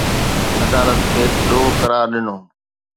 عدالت کيس ڏوهه قرار ڏنو